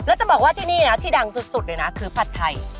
แล้วจะบอกว่าที่นี่นะที่ดังสุดเลยนะคือผัดไทย